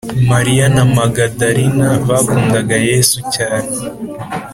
mariya na magadarina bakundaga yesu cyane